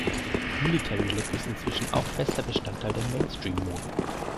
Military-Look ist inzwischen auch fester Bestandteil der Mainstream-Mode.